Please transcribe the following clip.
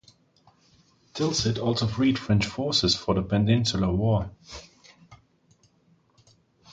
Tilsit also freed French forces for the Peninsular War.